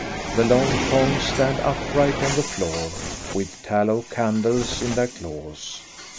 The long tongs stand upright on the floor, with tallow candles in their claws.